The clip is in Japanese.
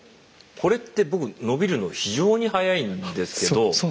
これって僕伸びるの非常に早いんですけど。